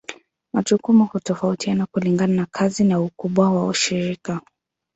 Majukumu hutofautiana kulingana na kazi na ukubwa wa shirika.